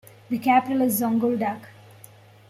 The capital is Zonguldak.